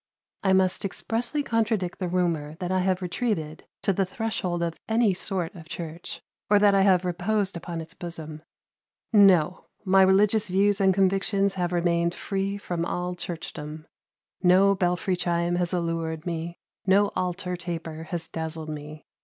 "I must expressly contradict the rumor that I have retreated to the threshold of any sort of church, or that I have reposed upon its bosom. No! My religious views and convictions have remained free from all churchdom; no belfry chime has allured me, no altar taper has dazzled me.